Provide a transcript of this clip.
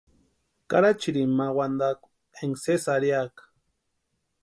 Karachirini ma wantakwa énka sési arhiaka.